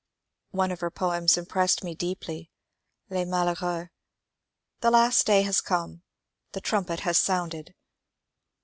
One of her poems impressed me deeply —" Les Malheureux." The last day has come ; the trumpet has sounded.